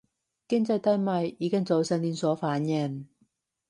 經濟低迷已經造成連鎖反應